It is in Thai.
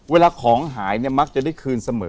เวลาของหายเนี่ยมักจะได้คืนเสมอ